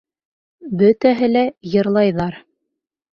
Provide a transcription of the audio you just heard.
Бөтәһе лә йырлайҙар.